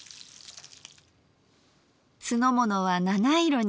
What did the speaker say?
酢の物は七色に。